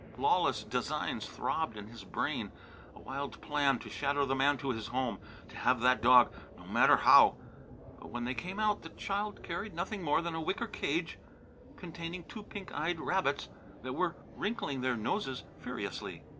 Lawless designs throbbed in his brain a wild plan to shadow the man to his home to have that dog, no matter how. But when they came out the child carried nothing more than a wicker cage containing two pink eyed white rabbits that were wrinkling their noses furiously.